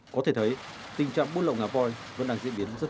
có thể thấy tình trạng buôn lậu ngả vòi vẫn đang diễn biến rất phức tạp